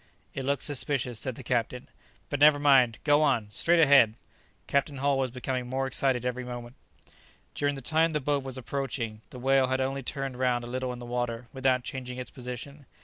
"It looks suspicious," said the captain; "but never mind; go on! straight ahead!" Captain Hull was becoming more excited every moment. During the time the boat was approaching, the whale had only turned round a little in the water without changing its position.